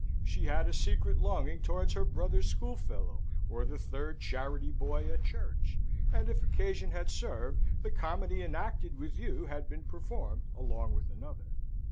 She had a secret longing towards her brother's schoolfellow, or the third charity boy at church, and if occasion had served, the comedy enacted with you had been performed along with another.